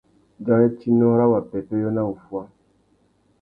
Dzarétinô râ wa pêpêyô na wuffuá.